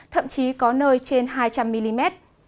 thậm chí có nơi trên hai trăm linh mm